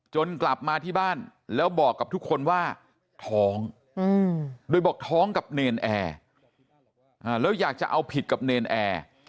กลับมาที่บ้านแล้วบอกกับทุกคนว่าท้องโดยบอกท้องกับเนรนแอร์แล้วอยากจะเอาผิดกับเนรนแอร์